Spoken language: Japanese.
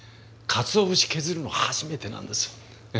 かつお節削るの初めてなんです。